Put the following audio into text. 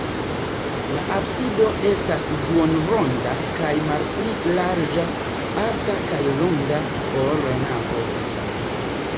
La absido estas duonronda kaj malpli larĝa, alta kaj longa, ol la navo.